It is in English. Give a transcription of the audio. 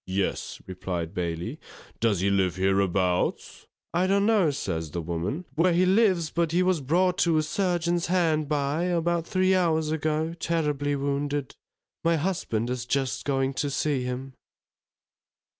Yes_, replied Bailey, _does he live hereabouts? I don't know, says the woman, where he lives, but he was brought to a surgeon's hard by, about three hours ago, terribly wounded. My husband is just going to see him.